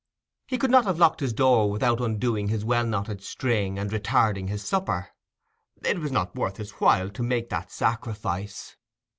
He could not have locked his door without undoing his well knotted string and retarding his supper; it was not worth his while to make that sacrifice.